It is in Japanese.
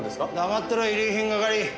黙ってろ遺留品係。